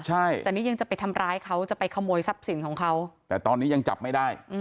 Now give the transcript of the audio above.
ใช่แต่นี่ยังจะไปทำร้ายเขาจะไปขโมยทรัพย์สินของเขาแต่ตอนนี้ยังจับไม่ได้